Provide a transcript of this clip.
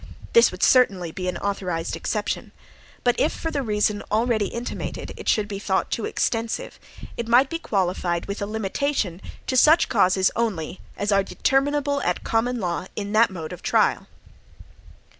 This would certainly be an authorized exception; but if, for the reason already intimated, it should be thought too extensive, it might be qualified with a limitation to such causes only as are determinable at common law in that mode of trial.